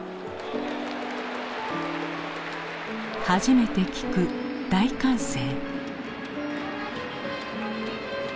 初めて聞く大歓声。